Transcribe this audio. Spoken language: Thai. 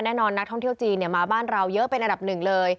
แน่นอนนักท่องเที่ยวจีนมาบ้านเราเยอะเป็นอันดับหนึ่งเลย